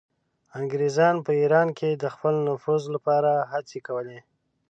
انګریزانو په ایران کې د خپل نفوذ لپاره هڅې کولې.